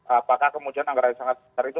apakah kemudian anggaran yang sangat besar itu